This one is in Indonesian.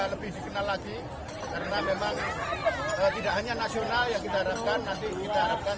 lebih dikenal lagi karena memang tidak hanya nasional yang kita harapkan nanti kita harapkan